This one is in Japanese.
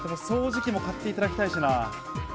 掃除機も買っていただきたいしな。